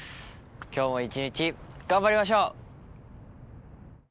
今日も一日、頑張りましょう。